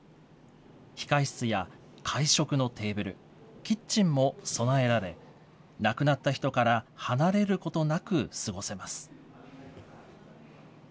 控え室や会食のテーブル、キッチンも備えられ、亡くなった人から離れることなく過ごせます。